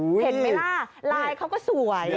เห็นไหมล่ะลายเขาก็สวย